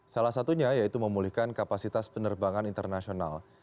salah satunya yaitu memulihkan kapasitas penerbangan internasional